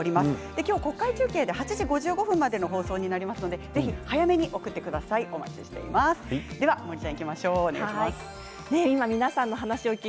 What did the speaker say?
今日は国会中継で８時５５分までの放送ですのでぜひ早めに送ってください。